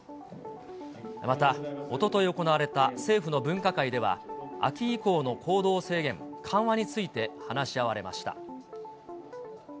また、おととい行われた政府の分科会では、秋以降の行動制限緩和について話し合われました。